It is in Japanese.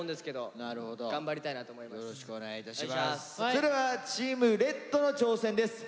それではチームレッドの挑戦です。